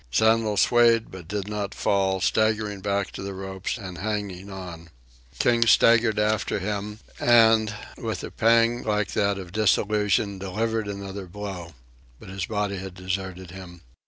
Sandel swayed, but did not fall, staggering back to the ropes and holding on. King staggered after him, and, with a pang like that of dissolution, delivered another blow. But his body had deserted him.